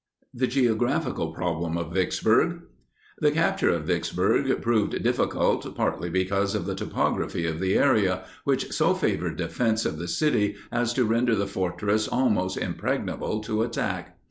THE GEOGRAPHICAL PROBLEM OF VICKSBURG. The capture of Vicksburg proved difficult partly because of the topography of the area, which so favored defense of the city as to render the fortress almost impregnable to attack.